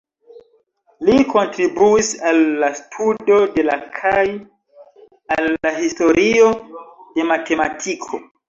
Li kontribuis al la studo de la kaj al la historio de matematiko.